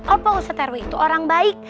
oh pak usat rw itu orang baik